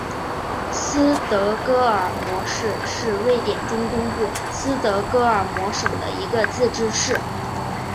斯德哥尔摩市是瑞典中东部斯德哥尔摩省的一个自治市。